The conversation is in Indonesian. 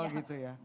oh gitu ya